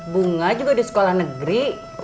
bunga juga disekolah negeri